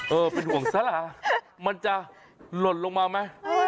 เป็นห่วงสารามันจะหล่นลงมาไหม